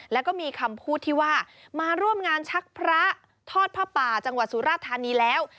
แล้วก็มีคำพูดที่ว่ามาร่วมงานชักพระทอดผ้าป่าจังหวัดสุราธานีแล้ว